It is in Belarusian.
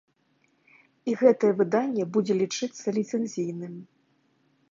І гэтае выданне будзе лічыцца ліцэнзійным.